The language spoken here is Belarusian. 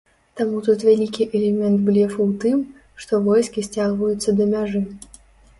Таму тут вялікі элемент блефу ў тым, што войскі сцягваюцца да мяжы.